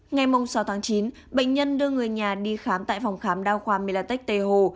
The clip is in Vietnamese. ngay mông sáu tháng chín bệnh nhân đưa người nhà đi khám tại phòng khám đao khoa milatech tê hồ